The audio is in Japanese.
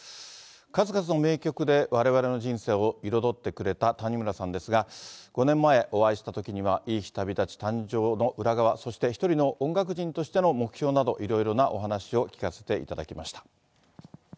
数々の名曲でわれわれの人生を彩ってくれた谷村さんですが、５年前お会いしたときには、いい日旅立ち誕生の裏側、そして一人の音楽人としての目標など、いろいろなお話を聞かせていただきました。